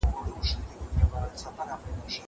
د نورو عقايدو ته په سپکه مه ګورئ.